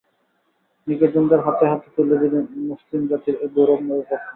নিকটজনদের হাতে হাতে তুলে দিন মুসলিম জাতির এ গৌরবময় উপাখ্যান।